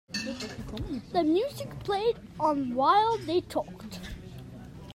The music played on while they talked.